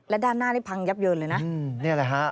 และด้านหน้านี้พังยับเยินเลยนะ